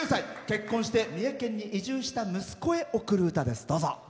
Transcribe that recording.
結婚して三重県に移住した息子へ贈る歌です。